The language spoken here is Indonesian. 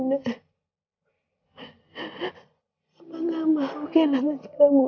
mama gak mau kehilangan kamu